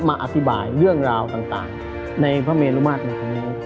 มาอธิบายเรื่องราวต่างในพระเมรุมาตรในครั้งนี้